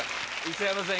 磯山さん